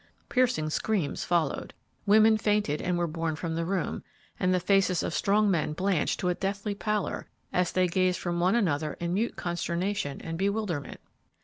Piercing screams followed; women fainted and were borne from the room, and the faces of strong men blanched to a deathly pallor as they gazed at one another in mute consternation and bewilderment.